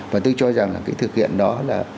và tôi cho rằng là cái thực hiện đó là